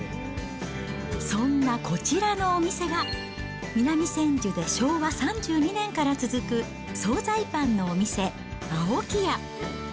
そんなこちらのお店が、南千住で昭和３２年から続く総菜パンのお店、青木屋。